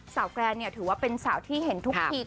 สาวแกระเนี่ยถือว่าเป็นสาวที่เห็นทุกที